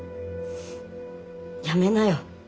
やめなよ